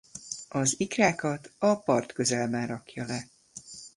Az ikrákat a partközelben rakja le.